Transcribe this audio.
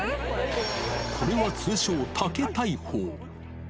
これは通称、竹大砲。